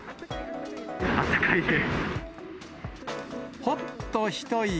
あったかいです。